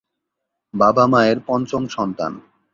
বাবা মায়ের পঞ্চম সন্তান।